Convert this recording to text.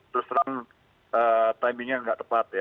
terus terang timingnya nggak tepat ya